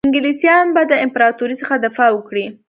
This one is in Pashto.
انګلیسیان به د امپراطوري څخه دفاع وکړي.